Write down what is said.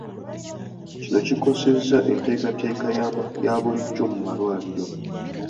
Kino kikoseza enteekateeka eya bulijjo mu malwaliro.